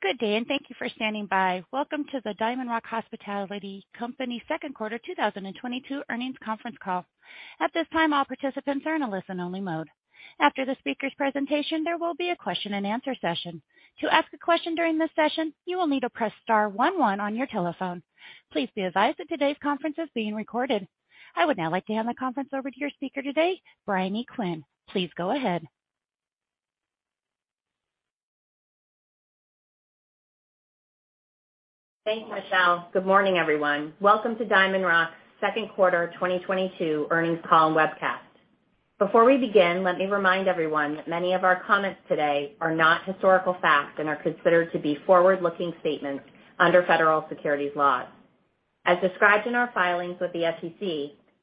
Good day, and thank you for standing by. Welcome to the DiamondRock Hospitality Company Q2 2022 Earnings Conference Call. At this time, all participants are in a listen-only mode. After the speaker's presentation, there will be a question-and-answer session. To ask a question during this session, you will need to press star one, one on your telephone. Please be advised that today's conference is being recorded. I would now like to hand the conference over to your speaker today, Briony Quinn. Please go ahead. Thanks, Michelle. Good morning, everyone. Welcome to DiamondRock's Q2 2022 Earnings Call and Webcast. Before we begin, let me remind everyone that many of our comments today are not historical facts and are considered to be forward-looking statements under federal securities laws. As described in our filings with the SEC,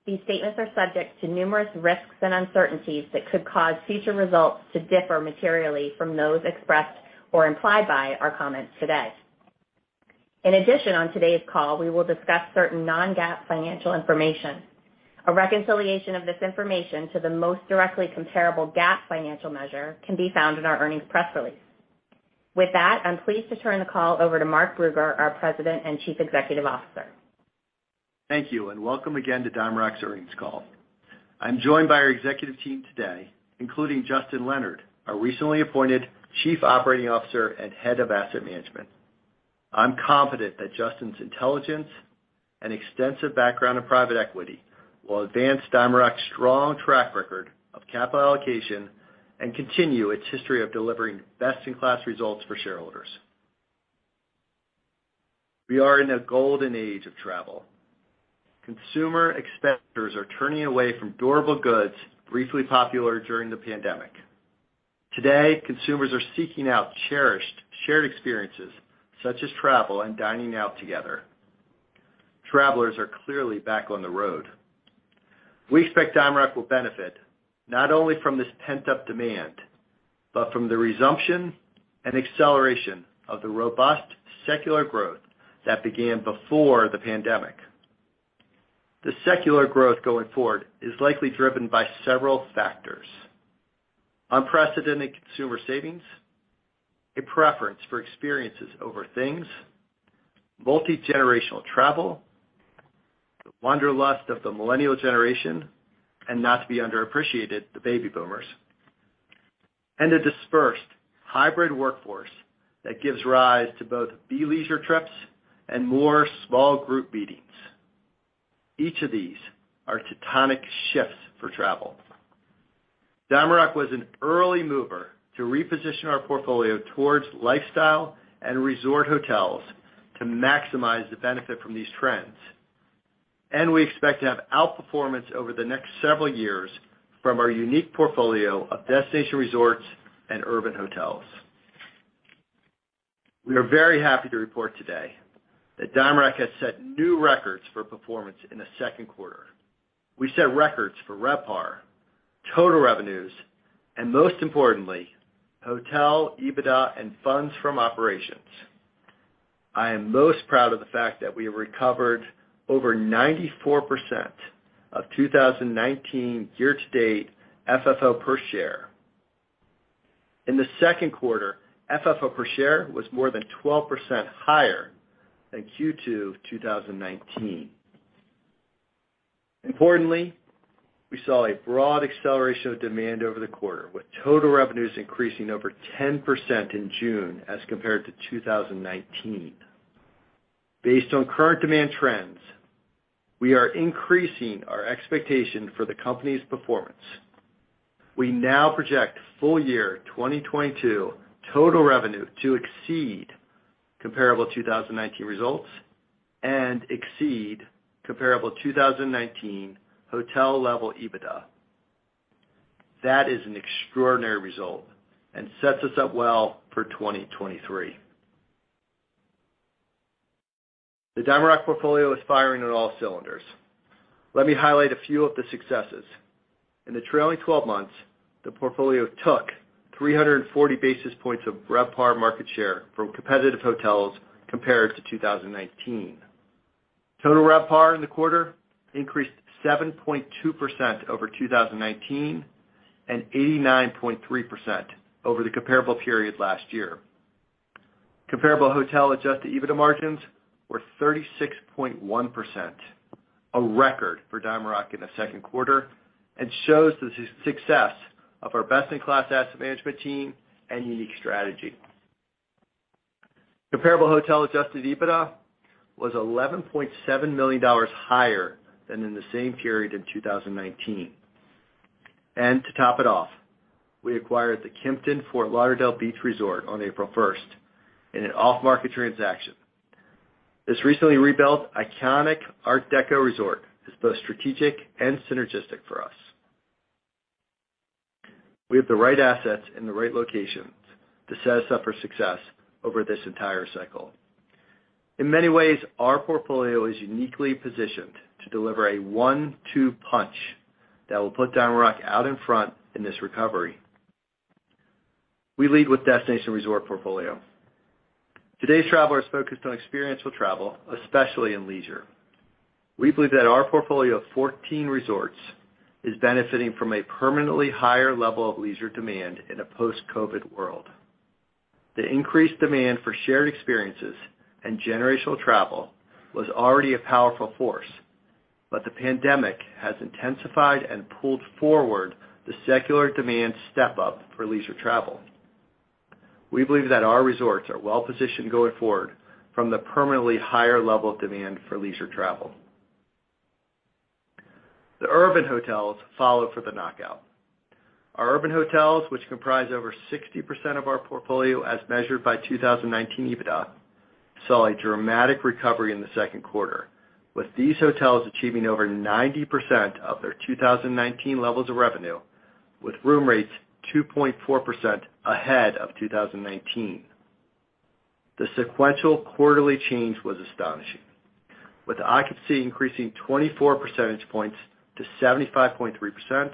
these statements are subject to numerous risks and uncertainties that could cause future results to differ materially from those expressed or implied by our comments today. In addition, on today's call, we will discuss certain non-GAAP financial information. A reconciliation of this information to the most directly comparable GAAP financial measure can be found in our earnings press release. With that, I'm pleased to turn the call over to Mark Brugger, our President and Chief Executive Officer. Thank you, and welcome again to DiamondRock's earnings call. I'm joined by our executive team today, including Justin Leonard, our recently appointed Chief Operating Officer and Head of Asset Management. I'm confident that Justin's intelligence and extensive background in private equity will advance DiamondRock's strong track record of capital allocation and continue its history of delivering best-in-class results for shareholders. We are in a golden age of travel. Consumer expenditures are turning away from durable goods briefly popular during the pandemic. Today, consumers are seeking out cherished shared experiences such as travel and dining out together. Travelers are clearly back on the road. We expect DiamondRock will benefit not only from this pent-up demand but from the resumption and acceleration of the robust secular growth that began before the pandemic. The secular growth going forward is likely driven by several factors. Unprecedented consumer savings, a preference for experiences over things, multi-generational travel, the wanderlust of the millennial generation, and not to be underappreciated, the baby boomers, and a dispersed hybrid workforce that gives rise to both bleisure trips and more small group meetings. Each of these are tectonic shifts for travel. DiamondRock was an early mover to reposition our portfolio towards lifestyle and resort hotels to maximize the benefit from these trends, and we expect to have outperformance over the next several years from our unique portfolio of destination resorts and urban hotels. We are very happy to report today that DiamondRock has set new records for performance in the second quarter. We set records for RevPAR, total revenues, and most importantly, hotel EBITDA and funds from operations. I am most proud of the fact that we have recovered over 94% of 2019 year-to-date FFO per share. In the second quarter, FFO per share was more than 12% higher than Q2 2019. Importantly, we saw a broad acceleration of demand over the quarter, with total revenues increasing over 10% in June as compared to 2019. Based on current demand trends, we are increasing our expectation for the company's performance. We now project FY2022 total revenue to exceed comparable 2019 results and exceed comparable 2019 hotel-level EBITDA. That is an extraordinary result and sets us up well for 2023. The DiamondRock portfolio is firing on all cylinders. Let me highlight a few of the successes. In the trailing 12 months, the portfolio took 340 basis points of RevPAR market share from competitive hotels compared to 2019. Total RevPAR in the quarter increased 7.2% over 2019 and 89.3% over the comparable period last year. Comparable hotel Adjusted EBITDA margins were 36.1%, a record for DiamondRock in the second quarter and shows the success of our best-in-class asset management team and unique strategy. Comparable hotel Adjusted EBITDA was $11.7 million higher than in the same period in 2019. To top it off, we acquired the Kimpton Fort Lauderdale Beach Resort on April 1 in an off-market transaction. This recently rebuilt iconic art deco resort is both strategic and synergistic for us. We have the right assets in the right locations to set us up for success over this entire cycle. In many ways, our portfolio is uniquely positioned to deliver a one-two punch that will put DiamondRock out in front in this recovery. We lead with destination resort portfolio. Today's traveler is focused on experiential travel, especially in leisure. We believe that our portfolio of 14 resorts is benefiting from a permanently higher level of leisure demand in a post-COVID world. The increased demand for shared experiences and generational travel was already a powerful force, but the pandemic has intensified and pulled forward the secular demand step up for leisure travel. We believe that our resorts are well-positioned going forward from the permanently higher level of demand for leisure travel. The urban hotels follow for the knockout. Our urban hotels, which comprise over 60% of our portfolio as measured by 2019 EBITDA, saw a dramatic recovery in the Q2, with these hotels achieving over 90% of their 2019 levels of revenue, with room rates 2.4% ahead of 2019. The sequential quarterly change was astonishing, with occupancy increasing 24 percentage points to 75.3%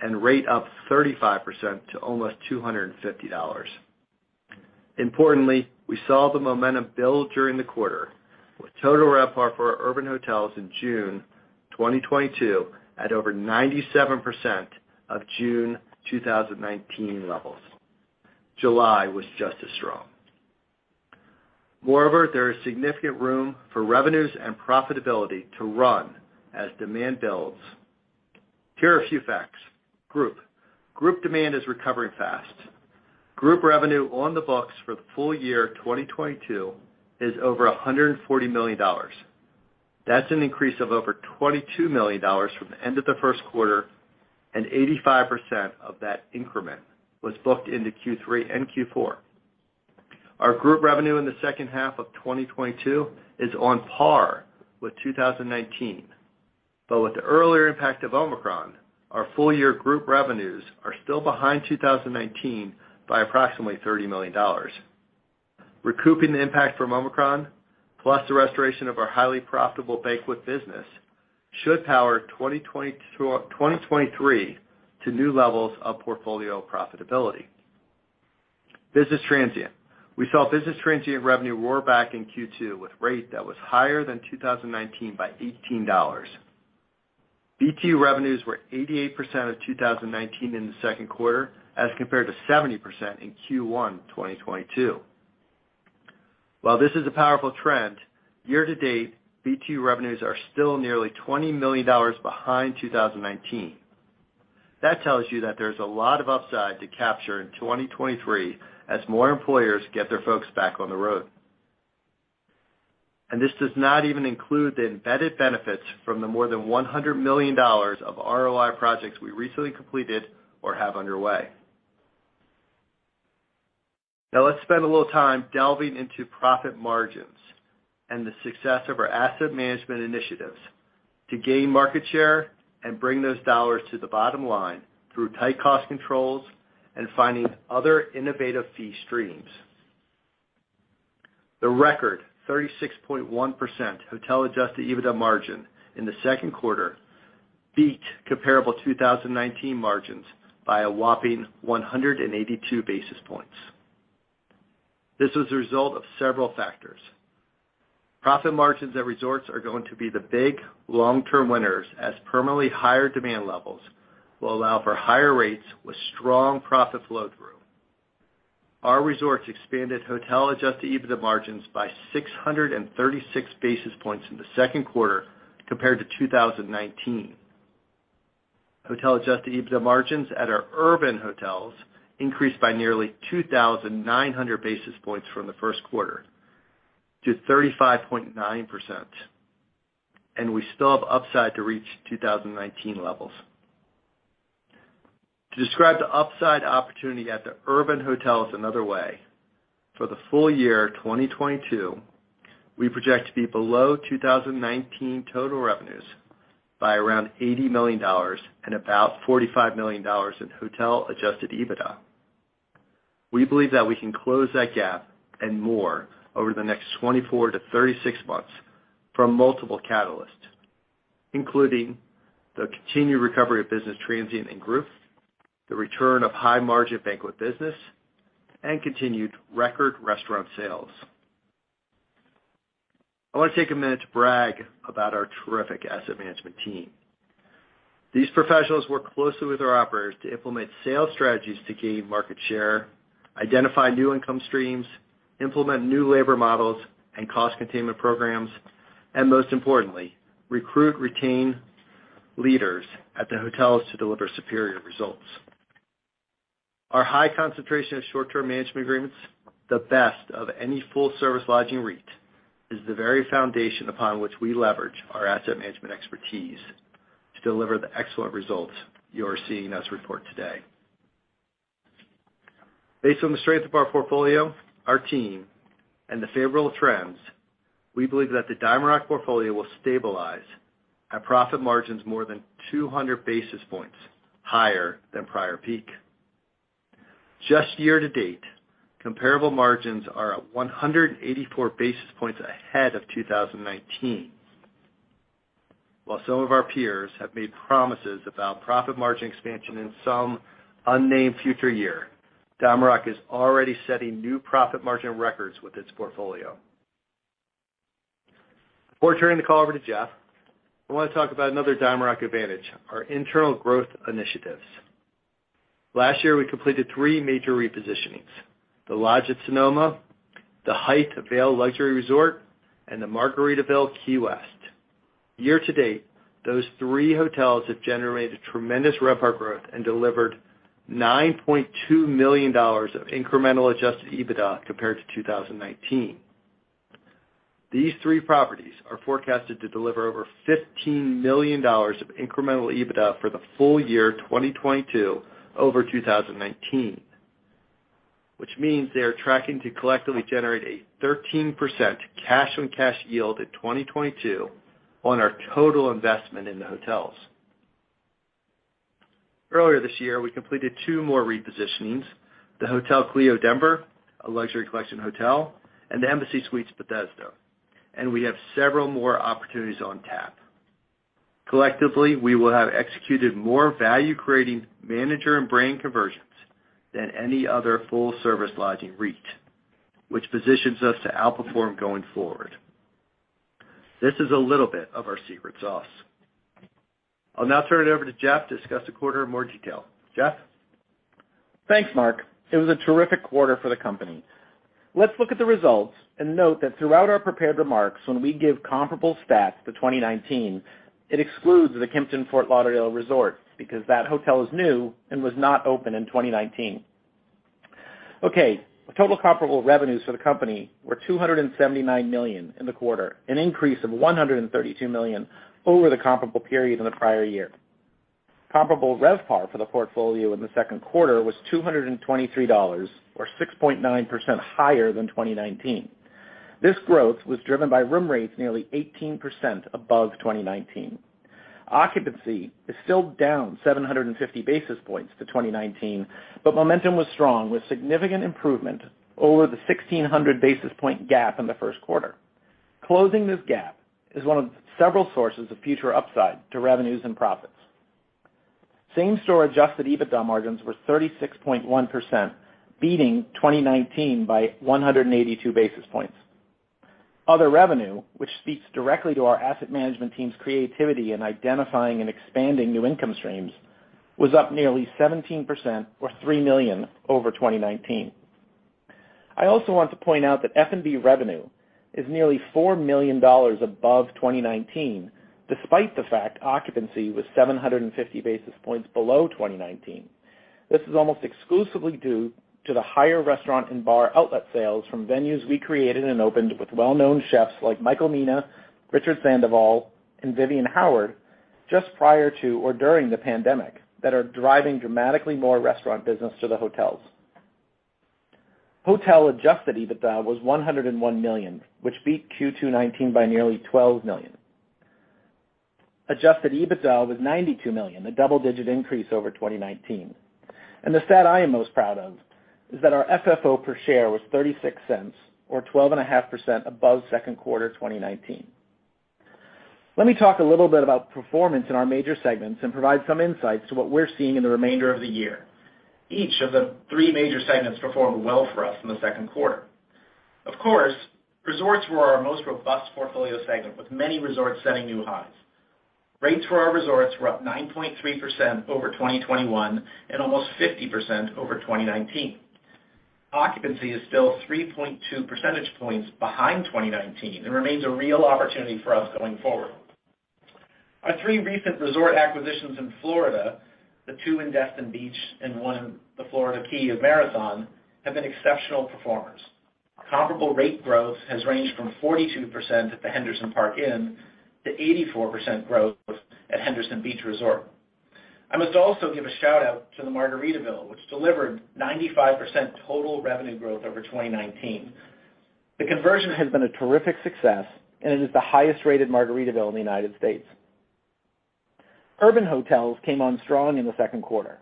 and rate up 35% to almost $250. Importantly, we saw the momentum build during the quarter, with total RevPAR for our urban hotels in June 2022 at over 97% of June 2019 levels. July was just as strong. Moreover, there is significant room for revenues and profitability to run as demand builds. Here are a few facts. Group demand is recovering fast. Group revenue on the books for the FY2022 is over $140 million. That's an increase of over $22 million from the end of the Q1 and 85% of that increment was booked into Q3 and Q4. Our group revenue in the second half of 2022 is on par with 2019. With the earlier impact of Omicron, our full year group revenues are still behind 2019 by approximately $30 million. Recouping the impact from Omicron, plus the restoration of our highly profitable banquet business should power 2023 to new levels of portfolio profitability. Business transient. We saw business transient revenue roar back in Q2 with rate that was higher than 2019 by $18. BT revenues were 88% of 2019 in the Q2 as compared to 70% in Q1 2022. While this is a powerful trend, year to date, BT revenues are still nearly $20 million behind 2019. That tells you that there's a lot of upside to capture in 2023 as more employers get their folks back on the road. This does not even include the embedded benefits from the more than $100 million of ROI projects we recently completed or have underway. Now, let's spend a little time delving into profit margins and the success of our asset management initiatives to gain market share and bring those dollars to the bottom line through tight cost controls and finding other innovative fee streams. The record 36.1% Hotel Adjusted EBITDA margin in the second quarter beat comparable 2019 margins by a whopping 182 basis points. This was a result of several factors. Profit margins at resorts are going to be the big long-term winners as permanently higher demand levels will allow for higher rates with strong profit flow through. Our resorts expanded Hotel Adjusted EBITDA margins by 636 basis points in the second quarter compared to 2019. Hotel Adjusted EBITDA margins at our urban hotels increased by nearly 2,900 basis points from the first quarter to 35.9%, and we still have upside to reach 2019 levels. To describe the upside opportunity at the urban hotels another way, for the FY2022, we project to be below 2019 total revenues by around $80 million and about $45 million in Hotel Adjusted EBITDA. We believe that we can close that gap and more over the next 24 to 36 months from multiple catalysts, including the continued recovery of business transient and group, the return of high margin banquet business, and continued record restaurant sales. I want to take a minute to brag about our terrific asset management team. These professionals work closely with our operators to implement sales strategies to gain market share, identify new income streams, implement new labor models and cost containment programs, and most importantly, recruit, retain leaders at the hotels to deliver superior results. Our high concentration of short-term management agreements, the best of any full service lodging REIT, is the very foundation upon which we leverage our asset management expertise to deliver the excellent results you are seeing us report today. Based on the strength of our portfolio, our team, and the favorable trends, we believe that the DiamondRock portfolio will stabilize at profit margins more than 200 basis points higher than prior peak. Just year to date, comparable margins are at 184 basis points ahead of 2019. While some of our peers have made promises about profit margin expansion in some unnamed future year, DiamondRock is already setting new profit margin records with its portfolio. Before turning the call over to Jeff, I wanna talk about another DiamondRock advantage, our internal growth initiatives. Last year, we completed three major repositionings, the Lodge at Sonoma, The Hythe, a Luxury Collection Resort, Vail, and the Margaritaville Beach House Key West. Year to date, those three hotels have generated tremendous RevPAR growth and delivered $9.2 million of incremental Adjusted EBITDA compared to 2019. These three properties are forecasted to deliver over $15 million of incremental EBITDA for the full year 2022 over 2019, which means they are tracking to collectively generate a 13% cash on cash yield in 2022 on our total investment in the hotels. Earlier this year, we completed two more repositionings, Hotel Clio, a Luxury Collection Hotel, Denver Cherry Creek, and Embassy Suites by Hilton Bethesda, and we have several more opportunities on tap. Collectively, we will have executed more value-creating manager and brand conversions than any other full-service lodging REIT, which positions us to outperform going forward. This is a little bit of our secret sauce. I'll now turn it over to Jeff to discuss the quarter in more detail. Jeff? Thanks, Mark. It was a terrific quarter for the company. Let's look at the results and note that throughout our prepared remarks, when we give comparable stats to 2019, it excludes the Kimpton Fort Lauderdale Resort because that hotel is new and was not open in 2019. Okay, the total comparable revenues for the company were $279 million in the quarter, an increase of $132 million over the comparable period in the prior year. Comparable RevPAR for the portfolio in the second quarter was $223, or 6.9% higher than 2019. This growth was driven by room rates nearly 18% above 2019. Occupancy is still down 750 basis points to 2019, but momentum was strong with significant improvement over the 1,600 basis point gap in the first quarter. Closing this gap is one of several sources of future upside to revenues and profits. Same-store Adjusted EBITDA margins were 36.1%, beating 2019 by 182 basis points. Other revenue, which speaks directly to our asset management team's creativity in identifying and expanding new income streams, was up nearly 17% or $3 million over 2019. I also want to point out that F&B revenue is nearly $4 million above 2019, despite the fact occupancy was 750 basis points below 2019. This is almost exclusively due to the higher restaurant and bar outlet sales from venues we created and opened with well-known chefs like Michael Mina, Richard Sandoval, and Vivian Howard just prior to or during the pandemic that are driving dramatically more restaurant business to the hotels. Hotel Adjusted EBITDA was $101 million, which beat Q2 2019 by nearly $12 million. Adjusted EBITDA was $92 million, a double-digit increase over 2019. The stat I am most proud of is that our FFO per share was $0.36 or 12.5% above Q2 2019. Let me talk a little bit about performance in our major segments and provide some insights to what we're seeing in the remainder of the year. Each of the three major segments performed well for us in the second quarter. Of course, resorts were our most robust portfolio segment, with many resorts setting new highs. Rates for our resorts were up 9.3% over 2021 and almost 50% over 2019. Occupancy is still 3.2 percentage points behind 2019 and remains a real opportunity for us going forward. Our three recent resort acquisitions in Florida, the two in Destin Beach and one in the Florida Key of Marathon, have been exceptional performers. Comparable rate growth has ranged from 42% at the Henderson Park Inn to 84% growth at Henderson Beach Resort. I must also give a shout-out to the Margaritaville, which delivered 95% total revenue growth over 2019. The conversion has been a terrific success, and it is the highest-rated Margaritaville in the United States. Urban hotels came on strong in the second quarter.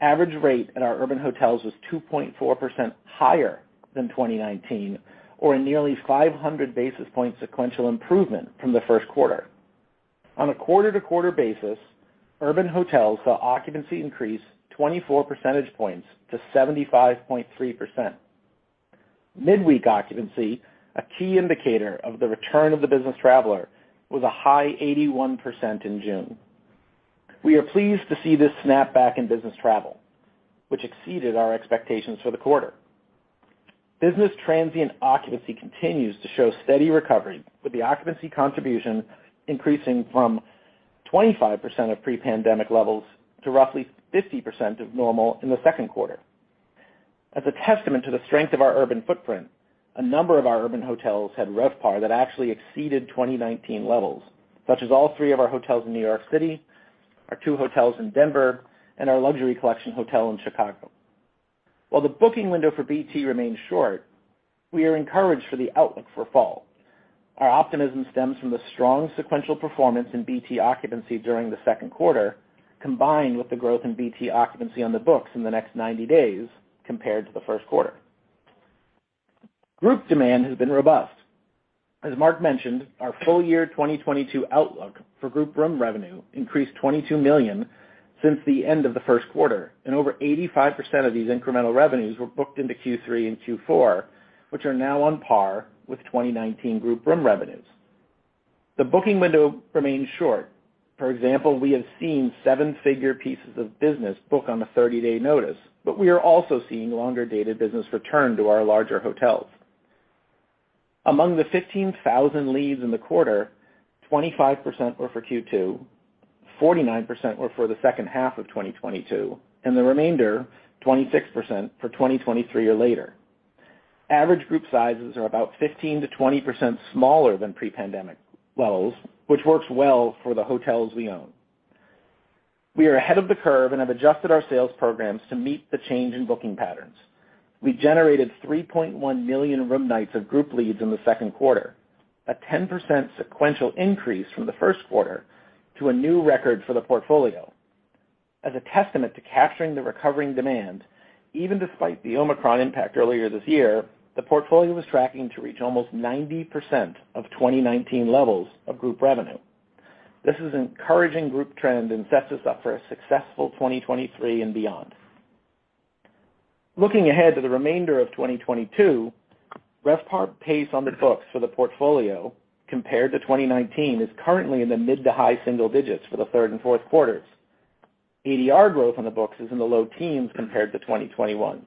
Average rate at our urban hotels was 2.4% higher than 2019 or a nearly 500 basis point sequential improvement from the first quarter. On a quarter-to-quarter basis, urban hotels saw occupancy increase 24 percentage points to 75.3%. Midweek occupancy, a key indicator of the return of the business traveler, was a high 81% in June. We are pleased to see this snap back in business travel, which exceeded our expectations for the quarter. Business transient occupancy continues to show steady recovery, with the occupancy contribution increasing from 25% of pre-pandemic levels to roughly 50% of normal in the second quarter. As a testament to the strength of our urban footprint, a number of our urban hotels had RevPAR that actually exceeded 2019 levels, such as all three of our hotels in New York City, our two hotels in Denver, and our Luxury Collection hotel in Chicago. While the booking window for BT remains short, we are encouraged for the outlook for fall. Our optimism stems from the strong sequential performance in BT occupancy during the second quarter, combined with the growth in BT occupancy on the books in the next 90 days compared to the first quarter. Group demand has been robust. As Mark mentioned, our full year 2022 outlook for group room revenue increased $22 million since the end of the Q1 and over 85% of these incremental revenues were booked into Q3 and Q4, which are now on par with 2019 group room revenues. The booking window remains short. For example, we have seen seven-figure pieces of business book on a 30-day notice, but we are also seeing longer lead business return to our larger hotels. Among the 15,000 leads in the quarter, 25% were for Q2, 49% were for the second half of 2022, and the remainder, 26%, for 2023 or later. Average group sizes are about 15%-20% smaller than pre-pandemic levels, which works well for the hotels we own. We are ahead of the curve and have adjusted our sales programs to meet the change in booking patterns. We generated 3.1 million room nights of group leads in the second quarter, a 10% sequential increase from the first quarter to a new record for the portfolio. As a testament to capturing the recovering demand, even despite the Omicron impact earlier this year, the portfolio was tracking to reach almost 90% of 2019 levels of group revenue. This is an encouraging group trend and sets us up for a successful 2023 and beyond. Looking ahead to the remainder of 2022, RevPAR pace on the books for the portfolio compared to 2019 is currently in the mid to high single digits for the third and fourth quarters. ADR growth on the books is in the low teens compared to 2021.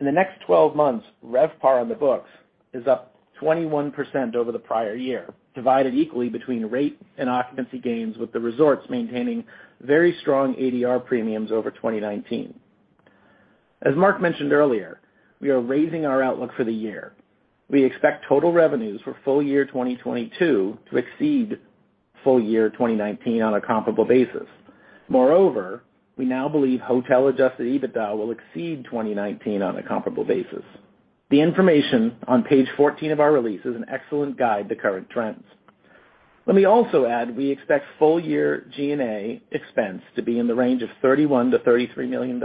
In the next 12 months, RevPAR on the books is up 21% over the prior year, divided equally between rate and occupancy gains, with the resorts maintaining very strong ADR premiums over 2019. As Mark mentioned earlier, we are raising our outlook for the year. We expect total revenues for full year 2022 to exceed full year 2019 on a comparable basis. Moreover, we now believe Hotel Adjusted EBITDA will exceed 2019 on a comparable basis. The information on page 14 of our release is an excellent guide to current trends. Let me also add, we expect full year G&A expense to be in the range of $31 million to $33 million,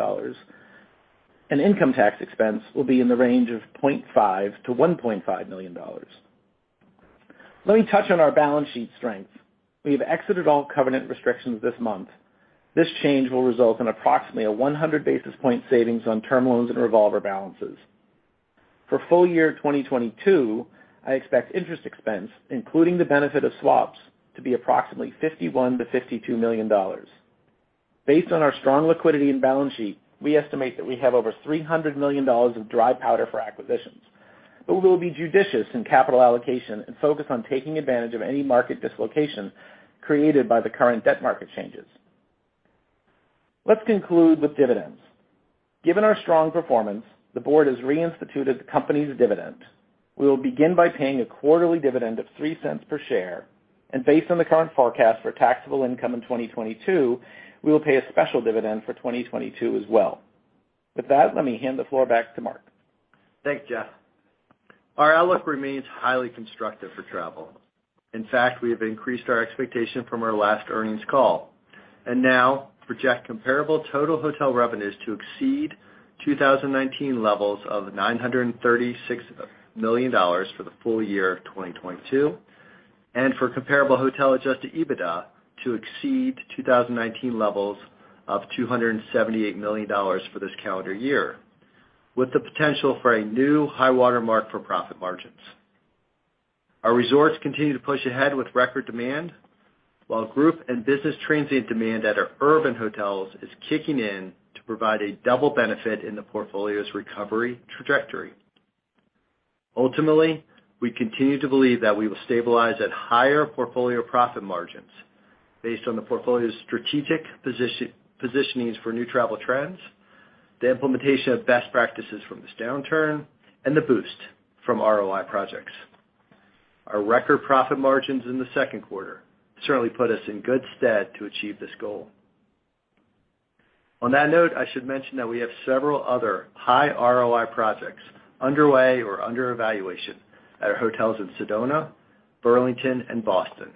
and income tax expense will be in the range of $0.5 million to $1.5 million. Let me touch on our balance sheet strength. We have exited all covenant restrictions this month. This change will result in approximately a 100 basis point savings on term loans and revolver balances. For FY2022, I expect interest expense, including the benefit of swaps, to be approximately $51 million to $52 million. Based on our strong liquidity and balance sheet, we estimate that we have over $300 million of dry powder for acquisitions. We will be judicious in capital allocation and focus on taking advantage of any market dislocation created by the current debt market changes. Let's conclude with dividends. Given our strong performance, the board has reinstituted the company's dividend. We will begin by paying a quarterly dividend of $0.03 per share, and based on the current forecast for taxable income in 2022, we will pay a special dividend for 2022 as well. With that, let me hand the floor back to Mark. Thanks, Jeff. Our outlook remains highly constructive for travel. In fact, we have increased our expectation from our last earnings call and now project comparable total hotel revenues to exceed 2019 levels of $936 million for the full year of 2022, and for comparable Hotel Adjusted EBITDA to exceed 2019 levels of $278 million for this calendar year, with the potential for a new high-water mark for profit margins. Our resorts continue to push ahead with record demand, while group and business transient demand at our urban hotels is kicking in to provide a double benefit in the portfolio's recovery trajectory. Ultimately, we continue to believe that we will stabilize at higher portfolio profit margins based on the portfolio's strategic positionings for new travel trends, the implementation of best practices from this downturn, and the boost from ROI projects. Our record profit margins in the second quarter certainly put us in good stead to achieve this goal. On that note, I should mention that we have several other high ROI projects underway or under evaluation at our hotels in Sedona, Burlington, and Boston.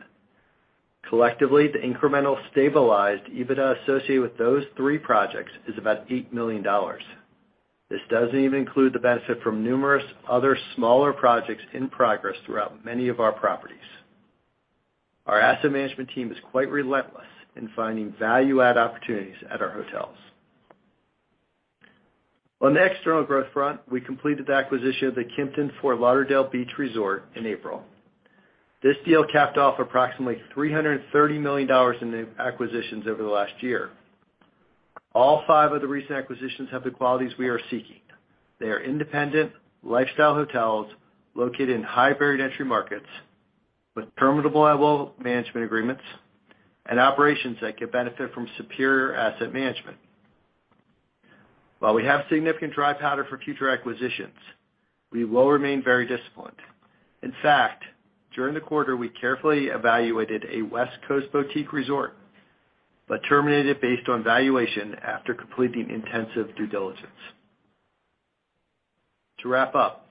Collectively, the incremental stabilized EBITDA associated with those three projects is about $8 million. This doesn't even include the benefit from numerous other smaller projects in progress throughout many of our properties. Our asset management team is quite relentless in finding value add opportunities at our hotels. On the external growth front, we completed the acquisition of the Kimpton Shorebreak Fort Lauderdale Beach Resort in April. This deal capped off approximately $330 million in new acquisitions over the last year. All five of the recent acquisitions have the qualities we are seeking. They are independent lifestyle hotels located in high barrier-to-entry markets with terminable level management agreements and operations that could benefit from superior asset management. While we have significant dry powder for future acquisitions, we will remain very disciplined. In fact, during the quarter, we carefully evaluated a West Coast boutique resort, but terminated it based on valuation after completing intensive due diligence. To wrap up,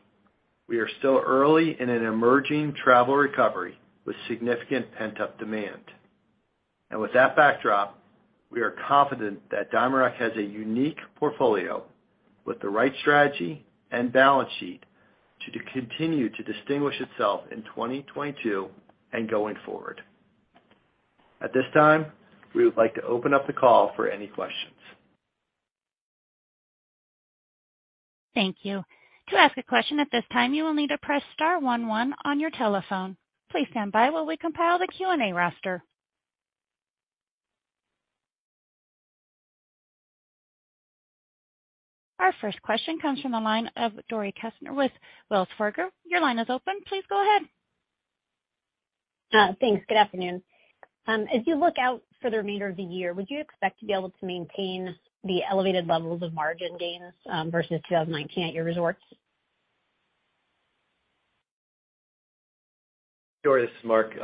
we are still early in an emerging travel recovery with significant pent-up demand. With that backdrop, we are confident that DiamondRock has a unique portfolio with the right strategy and balance sheet to continue to distinguish itself in 2022 and going forward. At this time, we would like to open up the call for any questions. Thank you. To ask a question at this time, you will need to press star one, one on your telephone. Please stand by while we compile the Q&A roster. Our first question comes from the line of Dori Kesten with Wells Fargo. Your line is open. Please go ahead. Thanks. Good afternoon. As you look out for the remainder of the year, would you expect to be able to maintain the elevated levels of margin gains, versus 2019 at your resorts? Dori, this is Mark.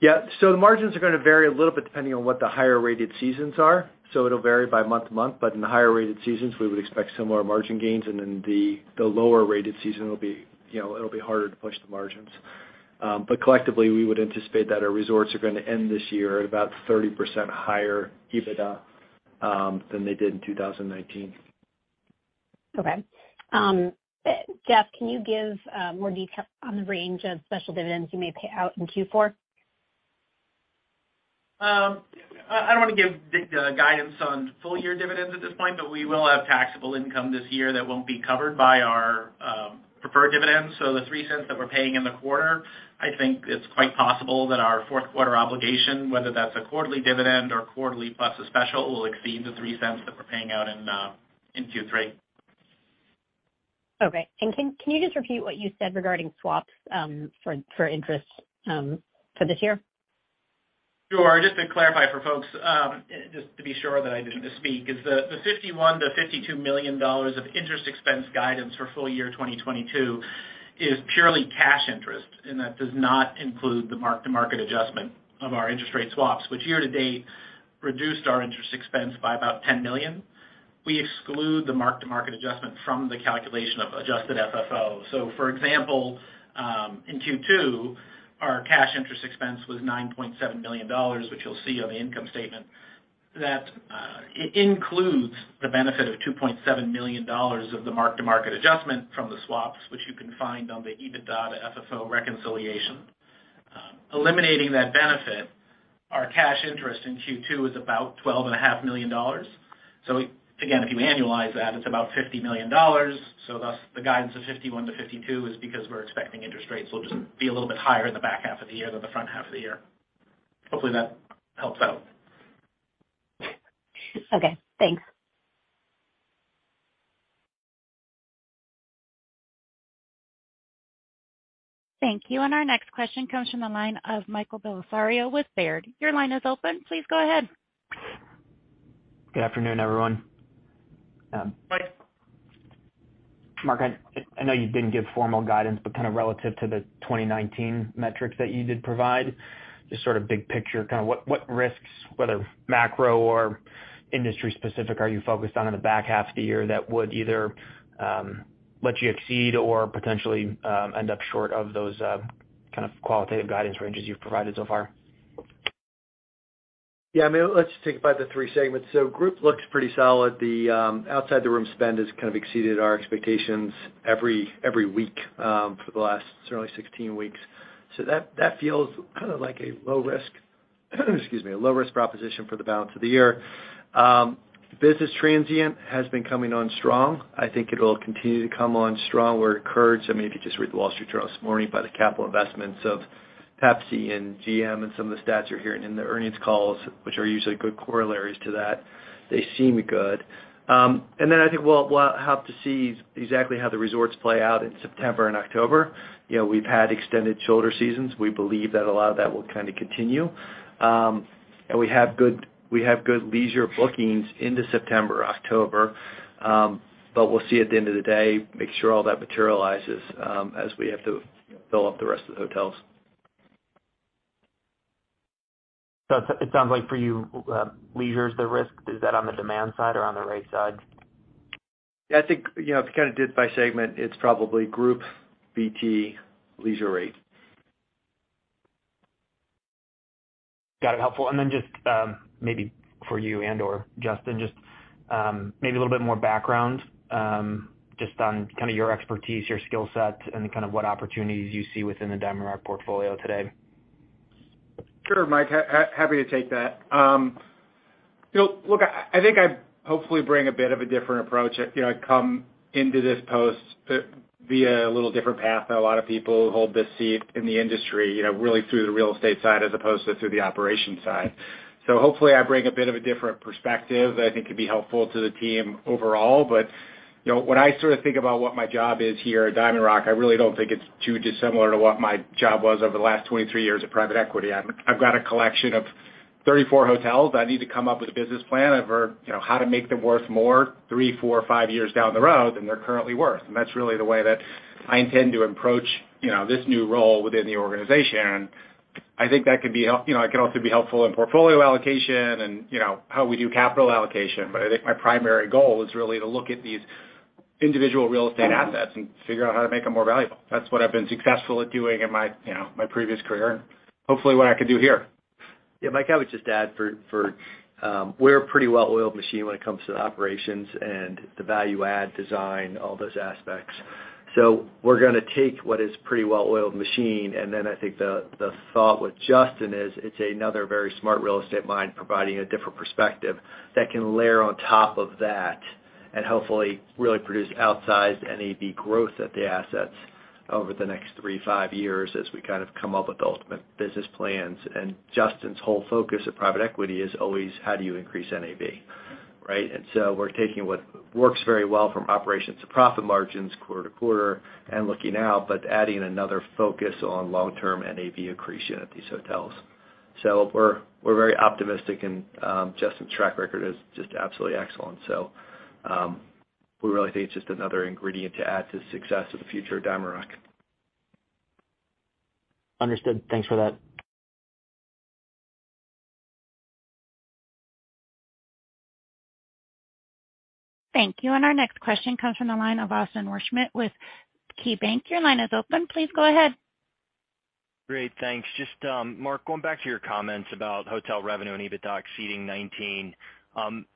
The margins are gonna vary a little bit depending on what the higher rated seasons are, so it'll vary by month to month. In the higher rated seasons, we would expect similar margin gains, and in the lower rated season, it'll be, you know, it'll be harder to push the margins. Collectively, we would anticipate that our resorts are gonna end this year at about 30% higher EBITDA than they did in 2019. Okay, Jeff, can you give more detail on the range of special dividends you may pay out in Q4? I don't wanna give the guidance on full year dividends at this point, but we will have taxable income this year that won't be covered by our preferred dividends. The $0.03 that we're paying in the quarter, I think it's quite possible that our Q4 obligation, whether that's a quarterly dividend or quarterly plus a special, will exceed the $0.03 that we're paying out in Q3. Okay. Can you just repeat what you said regarding swaps for interest for this year? Sure. Just to clarify for folks, just to be sure that I didn't misspeak, is the $51 million to $52 million of interest expense guidance for FY2022 purely cash interest, and that does not include the mark-to-market adjustment of our interest rate swaps, which year to date reduced our interest expense by about $10 million. We exclude the mark-to-market adjustment from the calculation of Adjusted FFO. For example, in Q2, our cash interest expense was $9.7 million, which you'll see on the income statement, that includes the benefit of $2.7 million of the mark-to-market adjustment from the swaps, which you can find on the EBITDA to FFO reconciliation. Eliminating that benefit, our cash interest in Q2 was about $12.5 million. Again, if you annualize that, it's about $50 million. Thus, the guidance of $51 million to $52 million is because we're expecting interest rates will just be a little bit higher in the back half of the year than the front half of the year. Hopefully that helps out. Okay, thanks. Thank you. Our next question comes from the line of Michael Bellisario with Baird. Your line is open. Please go ahead. Good afternoon, everyone. Mark, I know you didn't give formal guidance, but kind of relative to the 2019 metrics that you did provide, just sort of big picture, kind of what risks, whether macro or industry specific, are you focused on in the back half of the year that would either let you exceed or potentially end up short of those kind of qualitative guidance ranges you've provided so far? Yeah, I mean, let's take it by the three segments. Group looks pretty solid. The outside the room spend has kind of exceeded our expectations every week for the last certainly 16 weeks. That feels kind of like a low risk, excuse me, a low risk proposition for the balance of the year. Business transient has been coming on strong. I think it'll continue to come on strong where it occurs. I mean, if you just read The Wall Street Journal this morning about the capital investments of Pepsi and GM and some of the stats you're hearing in the earnings calls, which are usually good corollaries to that, they seem good. I think we'll have to see exactly how the resorts play out in September and October. You know, we've had extended shoulder seasons. We believe that a lot of that will kind of continue. We have good leisure bookings into September, October, but we'll see at the end of the day, make sure all that materializes, as we have to fill up the rest of the hotels. It sounds like for you, leisure is the risk. Is that on the demand side or on the rate side? Yeah, I think, you know, if you kind of did it by segment, it's probably group BT leisure rate. Got it. Helpful. Just, maybe for you and/or Justin, just, maybe a little bit more background, just on kind of your expertise, your skill set, and kind of what opportunities you see within the DiamondRock portfolio today. Sure, Mike. Ha ha, happy to take that. You know, look, I think I hopefully bring a bit of a different approach. You know, I come into this post via a little different path than a lot of people who hold this seat in the industry, you know, really through the real estate side as opposed to through the operations side. Hopefully, I bring a bit of a different perspective that I think could be helpful to the team overall. You know, when I sort of think about what my job is here at DiamondRock, I really don't think it's too dissimilar to what my job was over the last 23 years of private equity. I've got a collection of 34 hotels. I need to come up with a business plan over, you know, how to make them worth more three, four, five years down the road than they're currently worth. That's really the way that I intend to approach, you know, this new role within the organization. I think that could be, you know, it can also be helpful in portfolio allocation and, you know, how we do capital allocation. I think my primary goal is really to look at these. Individual real estate assets and figure out how to make them more valuable. That's what I've been successful at doing in my, you know, my previous career, and hopefully what I can do here. Yeah, Mike, I would just add, we're a pretty well-oiled machine when it comes to the operations and the value add design, all those aspects. We're gonna take what is pretty well-oiled machine, and then I think the thought with Justin is it's another very smart real estate mind providing a different perspective that can layer on top of that and hopefully really produce outsized NAV growth at the assets over the next three to five years as we kind of come up with ultimate business plans. Justin's whole focus of private equity is always how do you increase NAV, right? We're taking what works very well from operations to profit margins quarter-to-quarter and looking out, but adding another focus on long-term NAV accretion at these hotels. We're very optimistic and Justin's track record is just absolutely excellent. We really think it's just another ingredient to add to the success of the future of DiamondRock. Understood. Thanks for that. Thank you. Our next question comes from the line of Austin Wurschmidt with KeyBanc. Your line is open. Please go ahead. Great, thanks. Just, Mark, going back to your comments about hotel revenue and EBITDA exceeding 2019,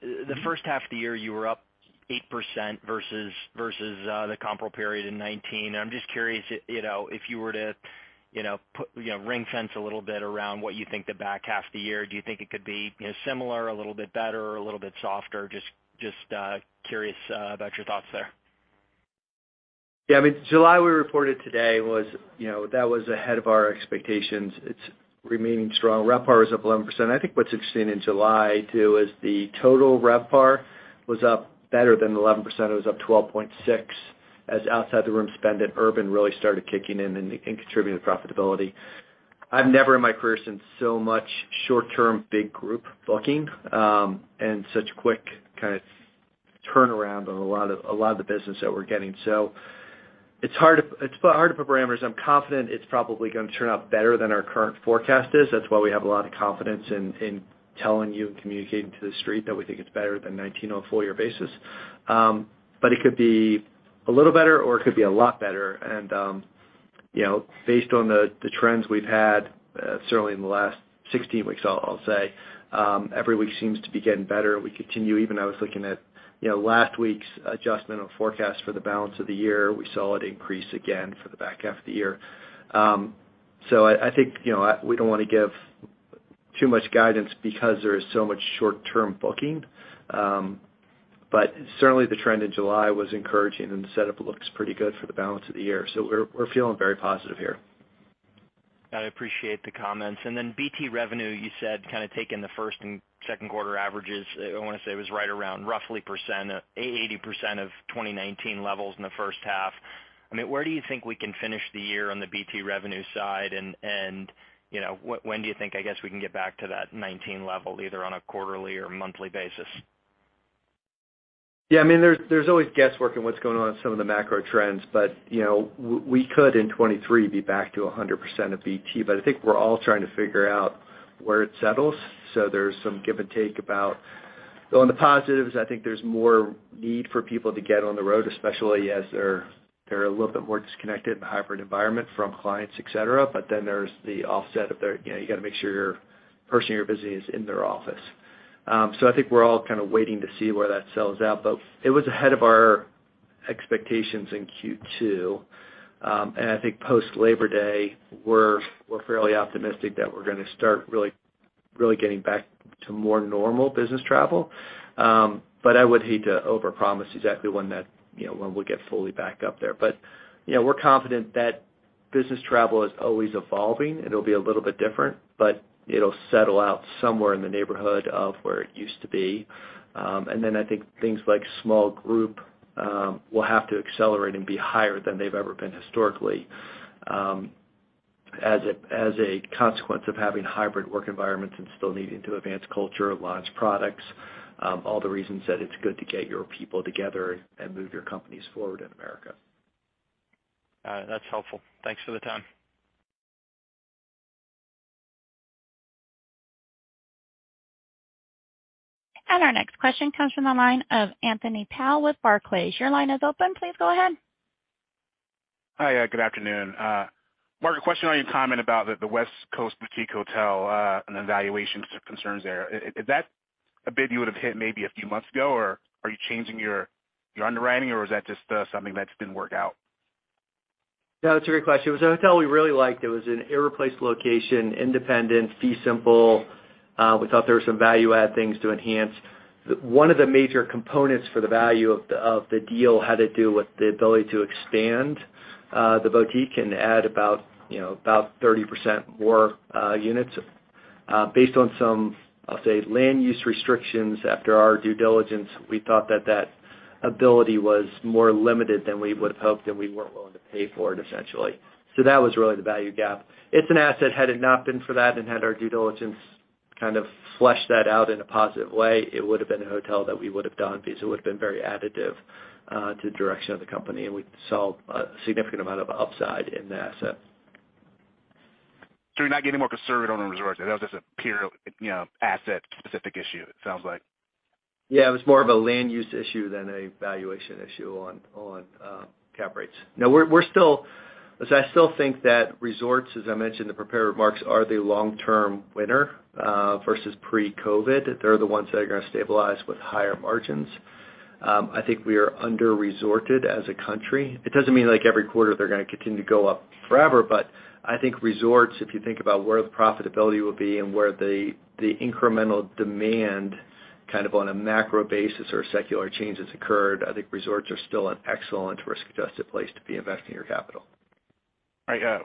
the first half of the year, you were up 8% versus the comparable period in 2019. I'm just curious, you know, if you were to, you know, put, you know, ring fence a little bit around what you think the back half of the year, do you think it could be, you know, similar, a little bit better or a little bit softer? Just curious, you know, about your thoughts there. Yeah. I mean, July, we reported today was, you know, that was ahead of our expectations. It's remaining strong. RevPAR is up 11%. I think what's interesting in July too is the total RevPAR was up better than 11%. It was up 12.6 as outside the room spend in urban really started kicking in and contributing profitability. I've never in my career seen so much short-term, big group booking, and such quick kind of turnaround of a lot of the business that we're getting. So it's hard to put parameters. I'm confident it's probably gonna turn out better than our current forecast is. That's why we have a lot of confidence in telling you and communicating to the street that we think it's better than 19% on a full year basis. It could be a little better, or it could be a lot better. You know, based on the trends we've had, certainly in the last 16 weeks, I'll say, every week seems to be getting better. Even I was looking at, you know, last week's adjustment on forecast for the balance of the year. We saw it increase again for the back half of the year. I think, you know, we don't wanna give too much guidance because there is so much short-term booking. Certainly the trend in July was encouraging, and the setup looks pretty good for the balance of the year. We're feeling very positive here. I appreciate the comments. BT revenue, you said kind of taking the first and second quarter averages, I wanna say was right around roughly 80% of 2019 levels in the first half. I mean, where do you think we can finish the year on the BT revenue side? You know, when do you think, I guess, we can get back to that 2019 level, either on a quarterly or monthly basis? Yeah, I mean, there's always guesswork in what's going on in some of the macro trends, but, you know, we could in 2023 be back to 100% of BT, but I think we're all trying to figure out where it settles. There's some give and take about. On the positives, I think there's more need for people to get on the road, especially as they're a little bit more disconnected in the hybrid environment from clients, et cetera, but then there's the offset of their, you know, you got to make sure your person you're visiting is in their office. So I think we're all kind of waiting to see where that settles out, but it was ahead of our expectations in Q2. I think post Labor Day, we're fairly optimistic that we're gonna start really getting back to more normal business travel. I would hate to overpromise exactly when that, you know, when we'll get fully back up there. We're confident that business travel is always evolving, and it'll be a little bit different, but it'll settle out somewhere in the neighborhood of where it used to be. Then I think things like small group will have to accelerate and be higher than they've ever been historically, as a consequence of having hybrid work environments and still needing to advance culture, launch products, all the reasons that it's good to get your people together and move your companies forward in America. All right. That's helpful. Thanks for the time. Our next question comes from the line of Anthony Powell with Barclays. Your line is open. Please go ahead. Hi. Good afternoon. Mark, a question on your comment about the West Coast boutique hotel and the valuation concerns there. Is that a bid you would have hit maybe a few months ago, or are you changing your underwriting, or is that just something that didn't work out? No, that's a great question. It was a hotel we really liked. It was an irreplaceable location, independent, fee simple. We thought there were some value add things to enhance. One of the major components for the value of the deal had to do with the ability to expand the boutique and add about, you know, about 30% more units. Based on some, I'll say, land use restrictions after our due diligence, we thought that ability was more limited than we would have hoped, and we weren't willing to pay for it, essentially. That was really the value gap. It's an asset had it not been for that and had our due diligence kind of flesh that out in a positive way, it would have been a hotel that we would have done because it would have been very additive to the direction of the company, and we saw a significant amount of upside in the asset. You're not getting more conservative on the resorts. That was just a pure, you know, asset-specific issue, it sounds like. Yeah. It was more of a land use issue than a valuation issue on cap rates. I still think that resorts, as I mentioned in the prepared remarks, are the long-term winner versus pre-COVID. They're the ones that are gonna stabilize with higher margins. I think we are under-resorted as a country. It doesn't mean, like, every quarter they're gonna continue to go up forever. I think resorts, if you think about where the profitability will be and where the incremental demand kind of on a macro basis or secular change has occurred, I think resorts are still an excellent risk-adjusted place to be investing your capital. All right.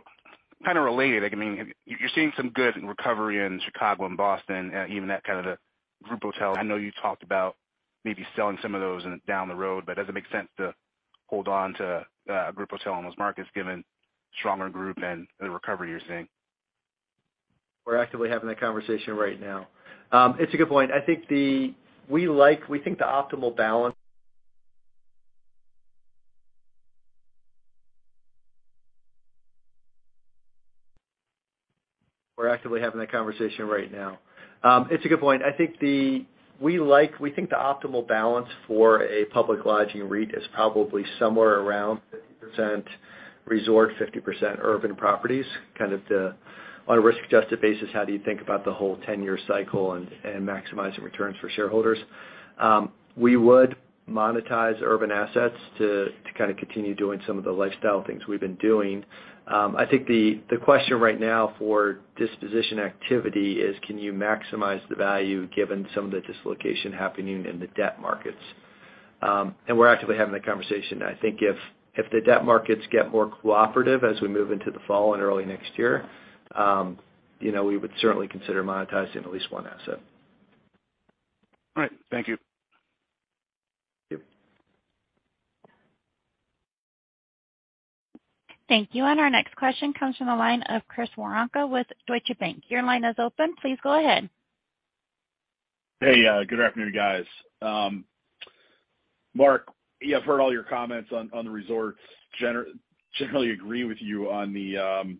Kind of related, like, I mean, you're seeing some good recovery in Chicago and Boston, even that kind of the group hotel. I know you talked about maybe selling some of those down the road, but does it make sense to hold on to a group hotel in those markets given stronger group and the recovery you're seeing? We're actively having that conversation right now. It's a good point. I think we think the optimal balance for a public lodging REIT is probably somewhere around 50% resort, 50% urban properties, kind of the, on a risk-adjusted basis, how do you think about the whole 10-year cycle and maximizing returns for shareholders. We would monetize urban assets to kind of continue doing some of the lifestyle things we've been doing. I think the question right now for disposition activity is, can you maximize the value given some of the dislocation happening in the debt markets? We're actively having that conversation. I think if the debt markets get more cooperative as we move into the fall and early next year, you know, we would certainly consider monetizing at least one asset. All right. Thank you. Yep. Thank you. Our next question comes from the line of Chris Woronka with Deutsche Bank. Your line is open. Please go ahead. Hey, good afternoon, guys. Mark, yeah, I've heard all your comments on the resorts, generally agree with you on the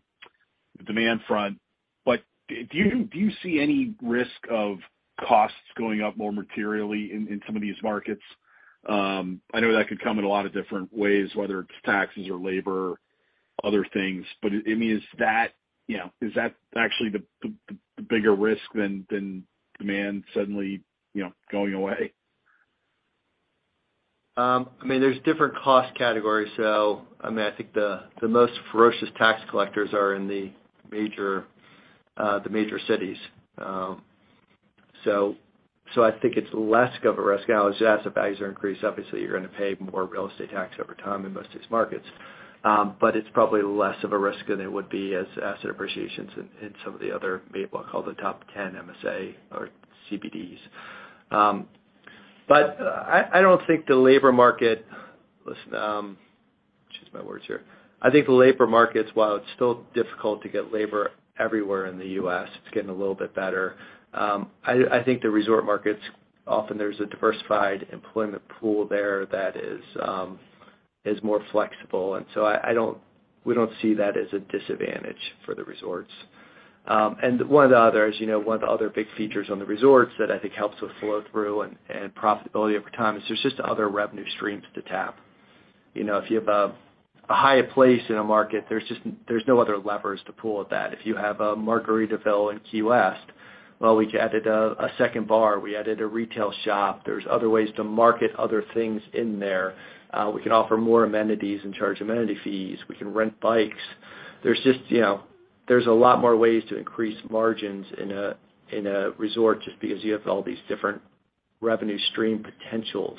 demand front. Do you see any risk of costs going up more materially in some of these markets? I know that could come in a lot of different ways, whether it's taxes or labor, other things. I mean, is that actually the bigger risk than demand suddenly, you know, going away? I mean, there's different cost categories. I mean, I think the most ferocious tax collectors are in the major cities. I think it's less of a risk. Now, as asset values are increased, obviously, you're gonna pay more real estate tax over time in most of these markets. But it's probably less of a risk than it would be as asset appreciations in some of the other, maybe I'll call the top ten MSA or CBDs. But I don't think the labor market. Choose my words here. I think the labor markets, while it's still difficult to get labor everywhere in the U.S., it's getting a little bit better. I think the resort markets, often there's a diversified employment pool there that is more flexible, and so we don't see that as a disadvantage for the resorts. One of the others, you know, one of the other big features on the resorts that I think helps with flow through and profitability over time is there's just other revenue streams to tap. You know, if you have a Hyatt Place in a market, there's just no other levers to pull at that. If you have a Margaritaville in Key West, well, we could add a second bar. We add in a retail shop. There's other ways to market other things in there. We can offer more amenities and charge amenity fees. We can rent bikes. There's just, you know, there's a lot more ways to increase margins in a resort just because you have all these different revenue stream potentials.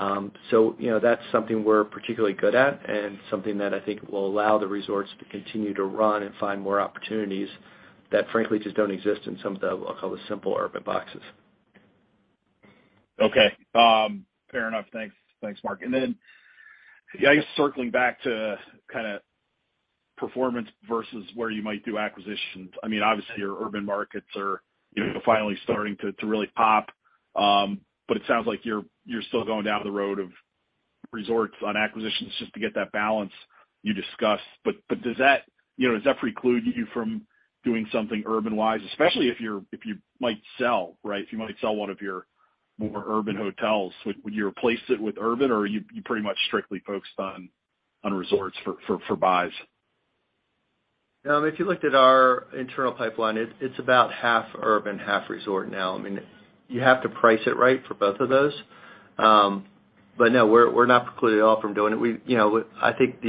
You know, that's something we're particularly good at and something that I think will allow the resorts to continue to run and find more opportunities that frankly just don't exist in some of the, I'll call the simple urban boxes. Okay. Fair enough. Thanks. Thanks, Mark. Yeah, I guess circling back to kinda performance versus where you might do acquisitions. I mean, obviously your urban markets are, you know, finally starting to really pop. But it sounds like you're still going down the road of resorts on acquisitions just to get that balance you discussed. Does that preclude you from doing something urban-wise, especially if you might sell, right? If you might sell one of your more urban hotels, would you replace it with urban or are you pretty much strictly focused on resorts for buys? If you looked at our internal pipeline, it's about half urban, half resort now. I mean, you have to price it right for both of those. No, we're not precluded at all from doing it. You know, I think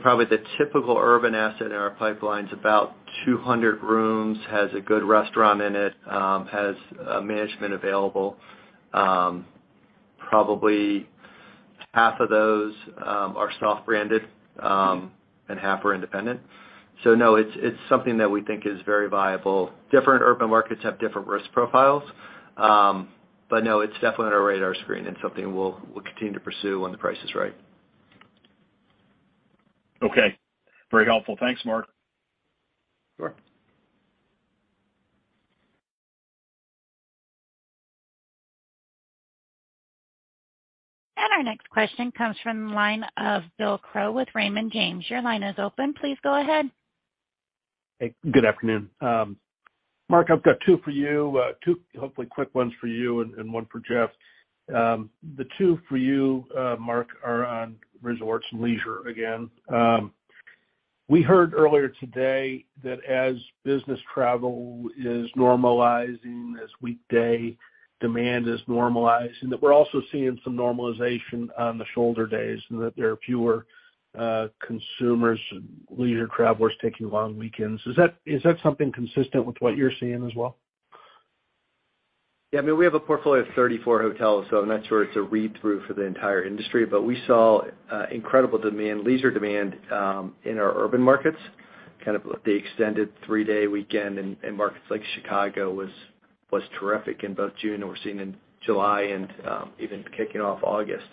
probably the typical urban asset in our pipeline's about 200 rooms, has a good restaurant in it, has management available. Probably half of those are soft branded, and half are independent. No, it's something that we think is very viable. Different urban markets have different risk profiles. No, it's definitely on our radar screen and something we'll continue to pursue when the price is right. Okay. Very helpful. Thanks, Mark. Sure. Our next question comes from the line of Bill Crow with Raymond James. Your line is open. Please go ahead. Hey, good afternoon. Mark, I've got two for you, two hopefully quick ones for you and one for Jeff. The two for you, Mark, are on resorts and leisure again. We heard earlier today that as business travel is normalizing, as weekday demand is normalizing, that we're also seeing some normalization on the shoulder days and that there are fewer consumers, leisure travelers taking long weekends. Is that something consistent with what you're seeing as well? Yeah. I mean, we have a portfolio of 34 hotels, so I'm not sure it's a read-through for the entire industry. We saw incredible demand, leisure demand, in our urban markets, kind of the extended three-day weekend in markets like Chicago was terrific in both June and we're seeing in July and even kicking off August.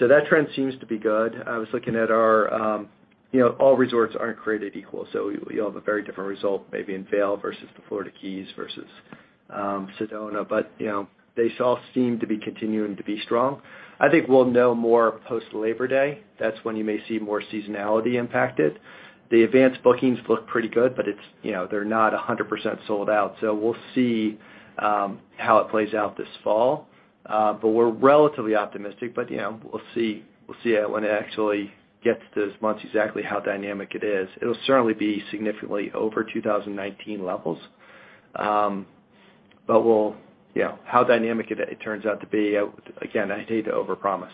That trend seems to be good. I was looking at our. You know, all resorts aren't created equal, so you'll have a very different result maybe in Vail versus the Florida Keys versus Sedona. You know, they all seem to be continuing to be strong. I think we'll know more post-Labor Day. That's when you may see more seasonality impacted. The advanced bookings look pretty good, but it's, you know, they're not 100% sold out. We'll see how it plays out this fall. We're relatively optimistic. You know, we'll see when it actually gets to this month exactly how dynamic it is. It'll certainly be significantly over 2019 levels. You know, how dynamic it turns out to be, again, I hate to overpromise.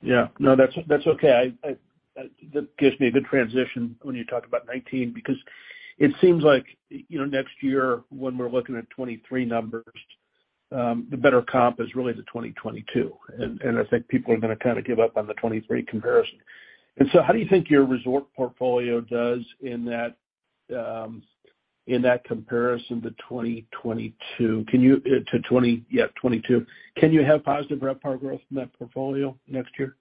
Yeah. No, that's okay. That gives me a good transition when you talk about 2019 because it seems like next year when we're looking at 2023 numbers, the better comp is really the 2022. I think people are gonna kinda give up on the 2023 comparison. How do you think your resort portfolio does in that comparison to 2022? Can you have positive RevPAR growth from that portfolio next year?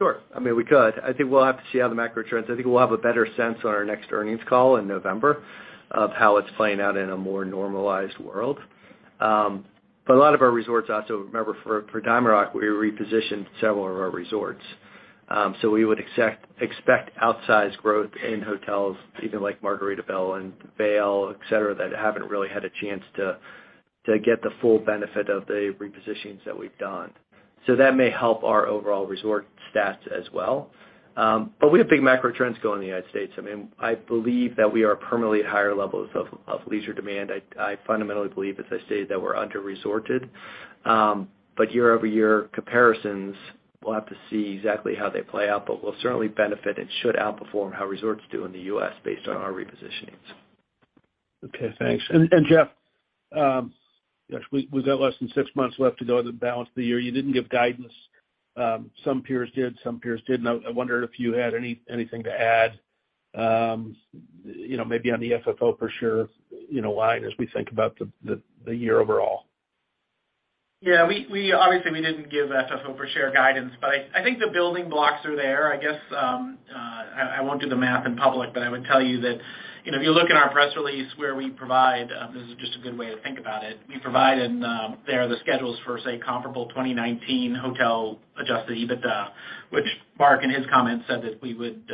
Sure. I mean, we could. I think we'll have to see how the macro trends. I think we'll have a better sense on our next earnings call in November of how it's playing out in a more normalized world. A lot of our resorts also, remember for DiamondRock, we repositioned several of our resorts. We would expect outsized growth in hotels, even like Margaritaville and Vail, et cetera, that haven't really had a chance to get the full benefit of the repositions that we've done. That may help our overall resort stats as well. We have big macro trends going in the United States. I believe that we are permanently at higher levels of leisure demand. I fundamentally believe, as I stated, that we're under-resorted. Year-over-year comparisons, we'll have to see exactly how they play out, but we'll certainly benefit and should outperform how resorts do in the U.S. based on our repositionings. Okay, thanks. Jeff, we've got less than six months left to go the balance of the year. You didn't give guidance. Some peers did, some peers didn't. I wondered if you had anything to add, you know, maybe on the FFO per share, you know, line as we think about the year overall. Yeah, we obviously didn't give FFO per share guidance, but I think the building blocks are there. I guess, I won't do the math in public, but I would tell you that, you know, if you look in our press release where we provide, this is just a good way to think about it. We provide and there are the schedules for, say, comparable 2019 Hotel Adjusted EBITDA, which Mark in his comments said that we would,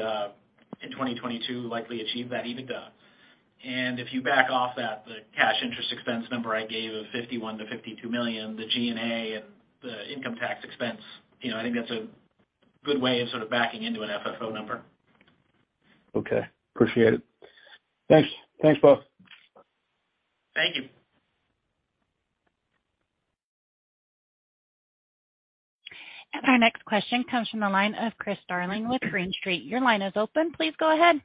in 2022 likely achieve that EBITDA. If you back out that, the cash interest expense number I gave of $51 million to $52 million, the G&A and the income tax expense, you know, I think that's a good way of sort of backing into an FFO number. Okay. Appreciate it. Thanks. Thanks, both. Thank you. Our next question comes from the line of Chris Darling with Green Street. Your line is open. Please go ahead.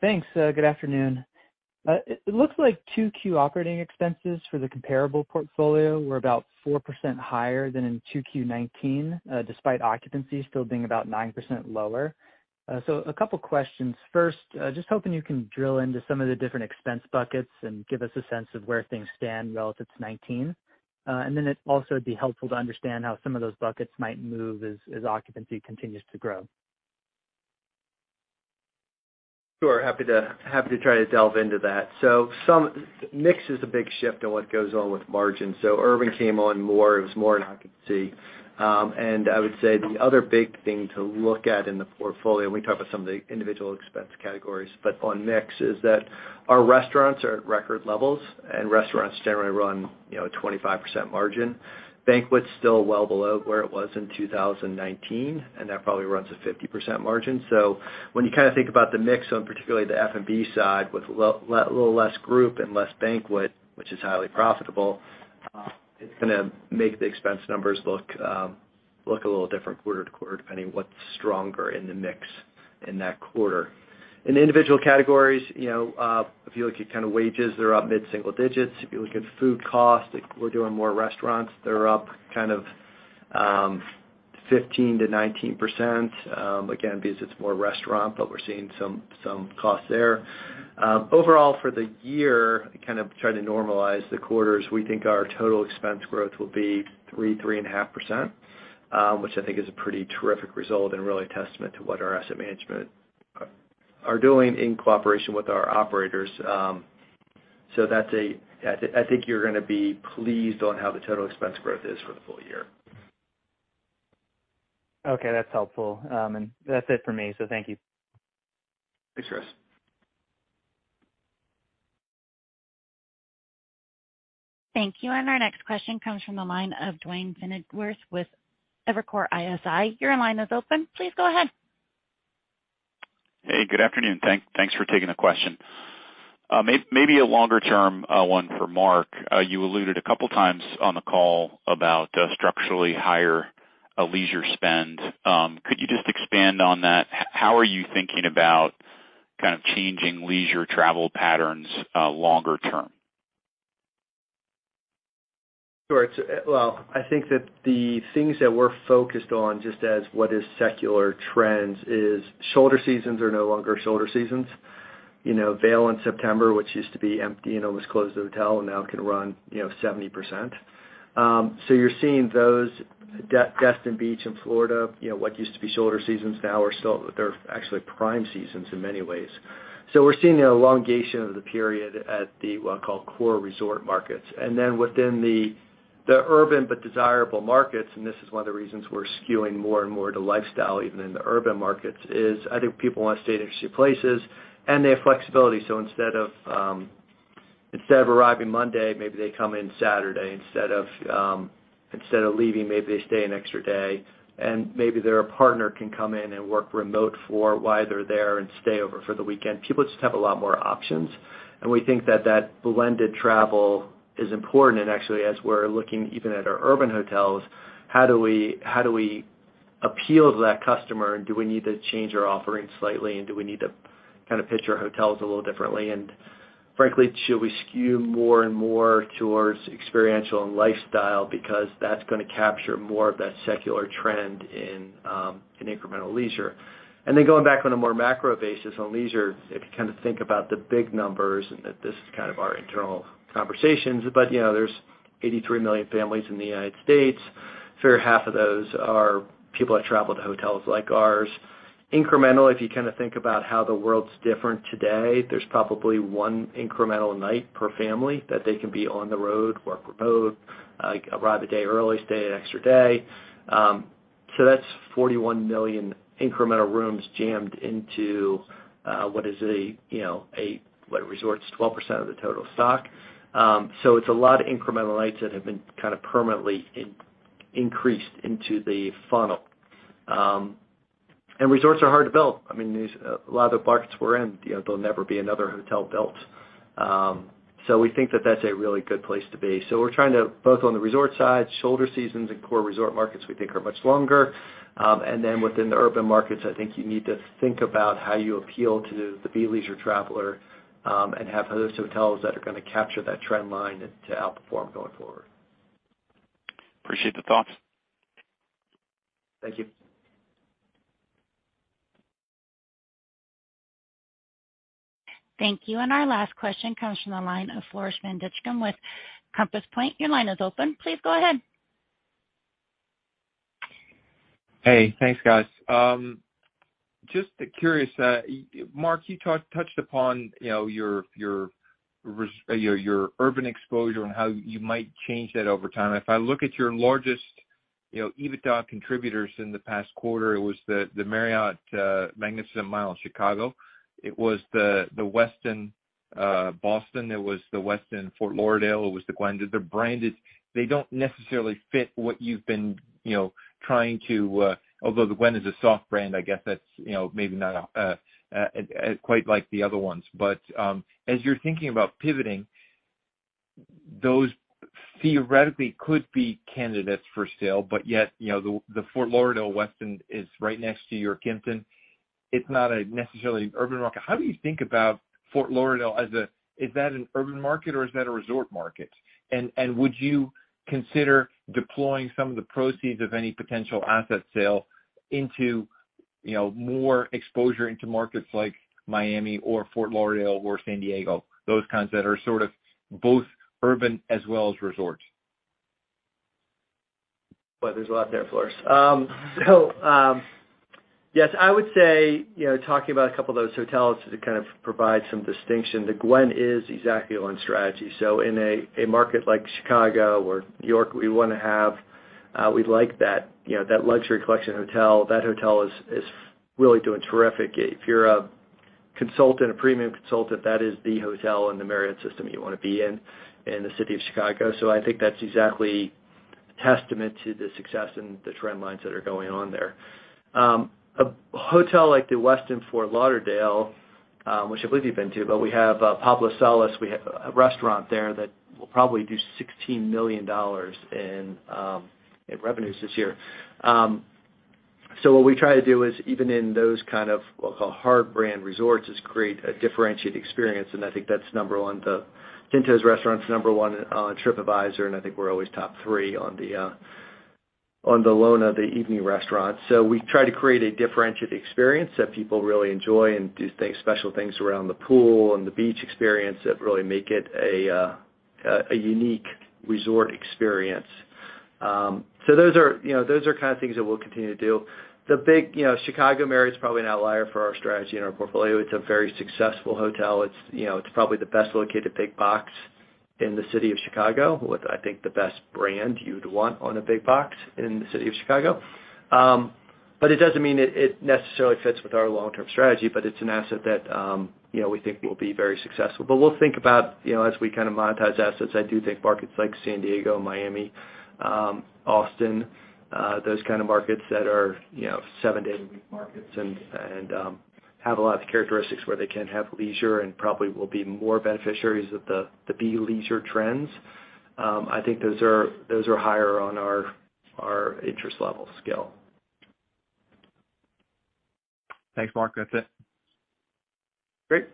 Thanks. Good afternoon. It looks like 2Q operating expenses for the comparable portfolio were about 4% higher than in 2Q 2019, despite occupancy still being about 9% lower. A couple questions. First, just hoping you can drill into some of the different expense buckets and give us a sense of where things stand relative to 2019. It also would be helpful to understand how some of those buckets might move as occupancy continues to grow. Sure. Happy to try to delve into that. Some mix is a big shift on what goes on with margin. Leisure came on more, it was more an occupancy. I would say the other big thing to look at in the portfolio, and we talked about some of the individual expense categories, but on mix, is that our restaurants are at record levels, and restaurants generally run, you know, 25% margin. Banquet's still well below where it was in 2019, and that probably runs a 50% margin. When you kinda think about the mix on particularly the F&B side with little less group and less banquet, which is highly profitable, it's gonna make the expense numbers look a little different quarter-to-quarter, depending what's stronger in the mix in that quarter. In the individual categories, if you look at kind of wages, they're up mid-single digits. If you look at food costs, we're doing more restaurants. They're up kind of 15% to 19%, again, because it's more restaurant, but we're seeing some costs there. Overall for the year, kind of try to normalize the quarters, we think our total expense growth will be 3.5%, which I think is a pretty terrific result and really a testament to what our asset management are doing in cooperation with our operators. So that's. I think you're gonna be pleased on how the total expense growth is for the full year. Okay, that's helpful. That's it for me, so thank you. Thanks, Chris. Thank you. Our next question comes from the line of Duane Pfennigwerth with Evercore ISI. Your line is open. Please go ahead. Hey, good afternoon. Thanks for taking the question. Maybe a longer-term one for Mark. You alluded a couple times on the call about structurally higher leisure spend. Could you just expand on that? How are you thinking about kind of changing leisure travel patterns longer term? Sure. It's well, I think that the things that we're focused on, just as what is secular trends, is shoulder seasons are no longer shoulder seasons. You know, Vail in September, which used to be empty and almost close the hotel, now can run, you know, 70%. So you're seeing those. Destin Beach in Florida, you know, what used to be shoulder seasons now are still, they're actually prime seasons in many ways. So we're seeing an elongation of the period at the what I call core resort markets. Then within the urban but desirable markets, and this is one of the reasons we're skewing more and more to lifestyle even in the urban markets, is I think people wanna stay in interesting places, and they have flexibility. So instead of arriving Monday, maybe they come in Saturday. Instead of leaving, maybe they stay an extra day. Maybe their partner can come in and work remote for a while they're there and stay over for the weekend. People just have a lot more options, and we think that blended travel is important. Actually, as we're looking even at our urban hotels, how do we appeal to that customer? Do we need to change our offerings slightly? Do we need to kind of pitch our hotels a little differently? Frankly, should we skew more and more towards experiential and lifestyle because that's gonna capture more of that secular trend in incremental leisure. Going back on a more macro basis on leisure, if you kind of think about the big numbers, and this is kind of our internal conversations, but, you know, there's 83 million families in the United States. A fair half of those are people that travel to hotels like ours. Incremental, if you kind of think about how the world's different today, there's probably one incremental night per family that they can be on the road, work remote, like arrive a day early, stay an extra day. So that's 41 million incremental rooms jammed into, what is a, you know, resorts 12% of the total stock. So it's a lot of incremental nights that have been kind of permanently increased into the funnel. Resorts are hard to build. I mean, these, a lot of the markets we're in, you know, there'll never be another hotel built. We think that that's a really good place to be. We're trying to, both on the resort side, shoulder seasons and core resort markets we think are much longer. Within the urban markets, I think you need to think about how you appeal to the bleisure traveler, and have those hotels that are gonna capture that trend line and to outperform going forward. Appreciate the thoughts. Thank you. Thank you. Our last question comes from the line of Floris van Dijkum with Compass Point. Your line is open. Please go ahead. Hey, thanks, guys. Just curious, Mark, you touched upon, you know, your urban exposure and how you might change that over time. If I look at your largest, you know, EBITDA contributors in the past quarter, it was the Chicago Marriott Magnificent Mile in Chicago. It was the Westin Boston Seaport District. It was The Westin Fort Lauderdale Beach Resort. It was The Gwen. The branded, they don't necessarily fit what you've been, you know, trying to, although The Gwen is a soft brand, I guess that's, you know, maybe not quite like the other ones. As you're thinking about pivoting, those theoretically could be candidates for sale, but yet, you know, The Westin Fort Lauderdale Beach Resort is right next to your Kimpton Shorebreak Fort Lauderdale Beach Resort. It's not a necessarily urban market. How do you think about Fort Lauderdale as a, is that an urban market or is that a resort market? Would you consider deploying some of the proceeds of any potential asset sale into, you know, more exposure into markets like Miami or Fort Lauderdale or San Diego, those kinds that are sort of both urban as well as resorts? Boy, there's a lot there, Floris. Yes, I would say, you know, talking about a couple of those hotels to kind of provide some distinction, The Gwen is exactly on strategy. In a market like Chicago or New York, we wanna have, we like that, you know, that Luxury Collection hotel. That hotel is really doing terrific. If you're a consultant, a premium consultant, that is the hotel in the Marriott system you wanna be in the city of Chicago. I think that's exactly testament to the success and the trend lines that are going on there. A hotel like The Westin Fort Lauderdale Beach Resort, which I believe you've been to, but we have Pablo Salas. We have a restaurant there that will probably do $16 million in revenues this year. What we try to do is, even in those kind of what I'll call hard brand resorts, is create a differentiated experience, and I think that's number one. The Quinto Restaurant's number one on Tripadvisor, and I think we're always top three on the, on the Lona, the evening restaurant. We try to create a differentiated experience that people really enjoy and do things, special things around the pool and the beach experience that really make it a unique resort experience. Those are, you know, those are kind of things that we'll continue to do. The big, you know, Chicago Marriott's probably an outlier for our strategy and our portfolio. It's a very successful hotel. It's, you know, it's probably the best located big box in the city of Chicago with, I think, the best brand you'd want on a big box in the city of Chicago. It doesn't mean it necessarily fits with our long-term strategy, but it's an asset that, you know, we think will be very successful. We'll think about, you know, as we kind of monetize assets. I do think markets like San Diego, Miami, Austin, those kind of markets that are, you know, seven-day-a-week markets and have a lot of the characteristics where they can have leisure and probably will be more beneficiaries of the bleisure trends. I think those are higher on our interest level scale. Thanks, Mark. That's it. Great.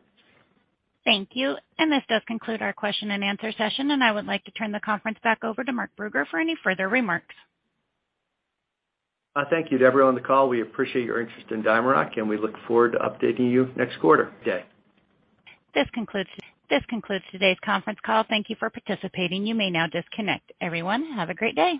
Thank you. This does conclude our question and answer session, and I would like to turn the conference back over to Mark Brugger for any further remarks. Thank you to everyone on the call. We appreciate your interest in DiamondRock, and we look forward to updating you next quarter. This concludes today's conference call. Thank you for participating. You may now disconnect. Everyone, have a great day.